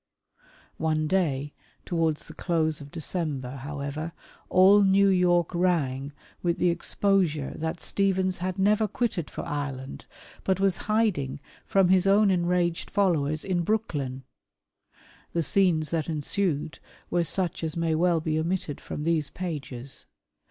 One day, towards the close of December however, all New York rang with the exposure that Stephens had never quitted for Ireland, but was hiding from his own enraged followers in Brooklyn. The scenes that ensued were such as may well be omitted from these pages.